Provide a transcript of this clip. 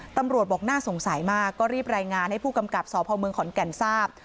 ตำรวจบอกน่าสงสัยมากก็รีบรายงานให้ผู้กำกับสพหมึกัณฑ์ทรัพย์